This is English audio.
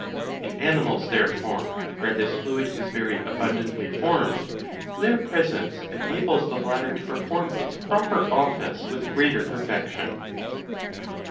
In animals therefore where this fluid is very abundantly formed, their presence enables the bladder to perform its proper office with greater perfection.